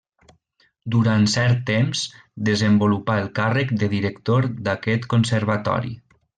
Durant cert temps desenvolupà el càrrec de director d'aquest Conservatori.